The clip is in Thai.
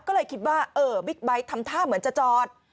ก็เลยคิดว่าเออบิ๊กไบท์ทำท่าเหมือนจะจอด